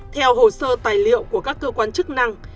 theo hồ sơ tài liệu của các cơ quan chức năng